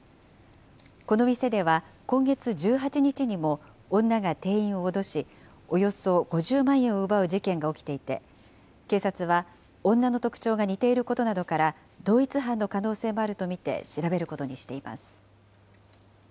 この店では今月１８日にも、女が店員を脅し、およそ５０万円を奪う事件が起きていて、警察は女の特徴が似ていることなどから、同一犯の可能性もあると見て調べることにしています。